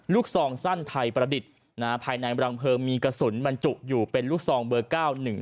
ซองสั้นไทยประดิษฐ์นะฮะภายในรังเพลิงมีกระสุนบรรจุอยู่เป็นลูกซองเบอร์เก้าหนึ่ง